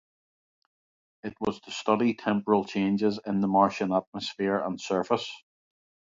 It was to study temporal changes in the Martian atmosphere and surface.